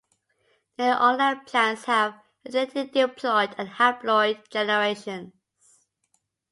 Nearly all land plants have alternating diploid and haploid generations.